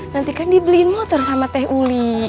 nanti kan dibeliin motor sama teh uli